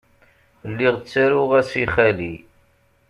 Lliɣ ttaruɣ-as i xali.